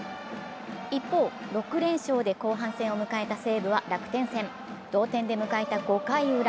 一方、６連勝で後半戦を迎えた西武は楽天戦同点で迎えた５回ウラ。